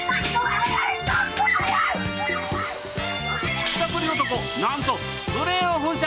ひったくり男、なんと、スプレーを噴射。